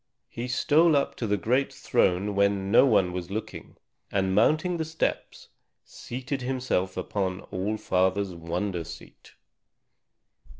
He stole up to the great throne when no one was looking, and mounting the steps, seated himself upon All Father's wonder seat.